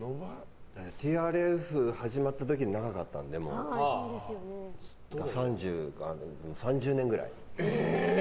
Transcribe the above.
ＴＲＦ始まった時にもう長かったので３０年ぐらい。